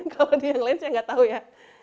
kalau di yang lain saya nggak tahu ya